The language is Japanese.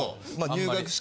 入学式